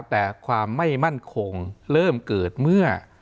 แต่ความไม่มั่นคงเริ่มเกิดเมื่อ